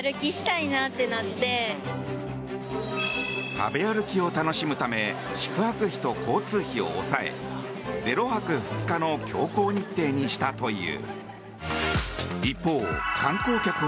食べ歩きを楽しむため宿泊費と交通費を抑え０泊２日の強行日程にしたという。